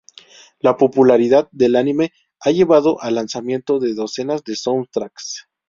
La popularidad del anime ha llevado al lanzamiento de docenas de soundtracks.